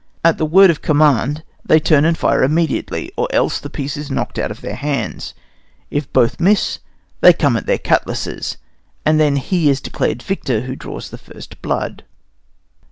At the word of command they turn and fire immediately, or else the piece is knocked out of their hands. If both miss, they come to their cutlasses, and then he is declared victor who draws the first blood.